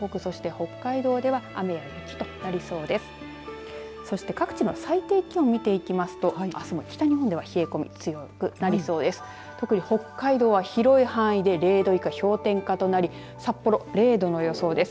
そして、各地の最低気温を見ていきますと、あすも北日本では冷え込みが強くなりそうです。